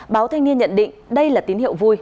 báo thanh niên nhận định đây là tín hiệu vui